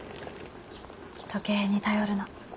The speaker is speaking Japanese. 時計に頼るな。